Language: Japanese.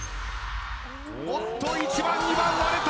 おっと１番２番割れた。